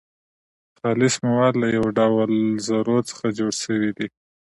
خالص مواد له يو ډول ذرو څخه جوړ سوي دي .